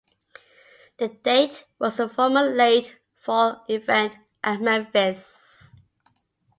The date was the former late fall event at Memphis.